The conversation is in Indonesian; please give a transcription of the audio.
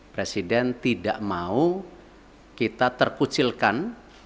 presiden tidak mau kita terkucilkan